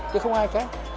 chứ không ai khác